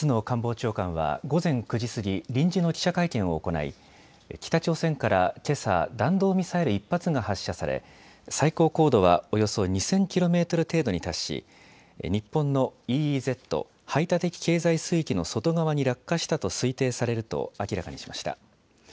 松野官房長官は午前９時過ぎ臨時の記者会見を行い北朝鮮からけさ弾道ミサイル１発が発射され、最高高度はおよそ２０００ｋｍ程度に達し日本のＥＥＺ・排他的経済水域の外側に落下したと推定されると明らかにしました。